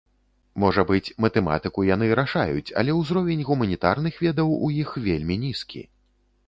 Можа быць, матэматыку яны рашаюць, але ўзровень гуманітарных ведаў у іх вельмі нізкі.